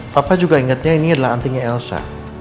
papa juga ingatnya ini adalah antinya elsa